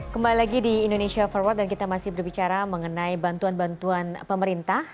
kembali lagi di indonesia forward dan kita masih berbicara mengenai bantuan bantuan pemerintah